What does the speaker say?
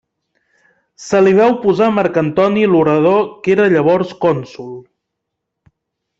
Se li va oposar Marc Antoni l'orador que era llavors cònsol.